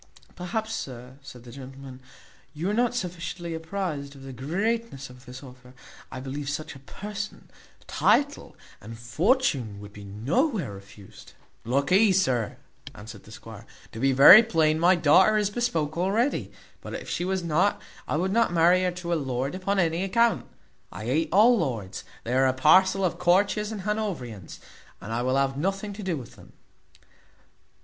"Perhaps, sir," said the gentleman, "you are not sufficiently apprized of the greatness of this offer. I believe such a person, title, and fortune would be nowhere refused." "Lookee, sir," answered the squire; "to be very plain, my daughter is bespoke already; but if she was not, I would not marry her to a lord upon any account; I hate all lords; they are a parcel of courtiers and Hanoverians, and I will have nothing to do with them."